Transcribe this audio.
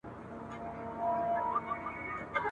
نه تر څوکو سوای د ونو الوتلای..